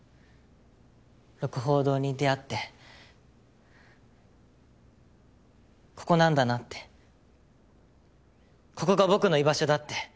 鹿楓堂に出会ってここなんだなってここが僕の居場所だって。